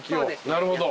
なるほど。